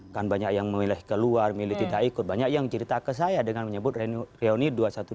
kan banyak yang memilih keluar milih tidak ikut banyak yang cerita ke saya dengan menyebut reuni dua ratus dua belas